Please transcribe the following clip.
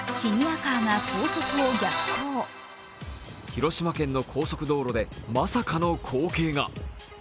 広島県の高速道路でまさかの光景が。